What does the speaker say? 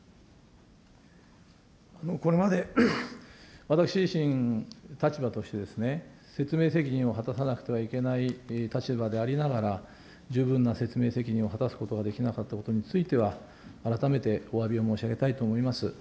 これまで私自身、立場として説明責任を果たさなければいけない立場でありながら、十分な説明責任を果たすことができなかったことについては、改めておわびを申し上げたいと思います。